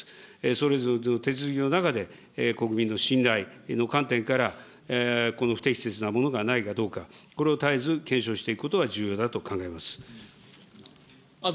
それぞれの手続きの中で、国民の信頼の観点から、この不適切なものがないかどうか、これを絶えず検証していくことは重要だと考えます。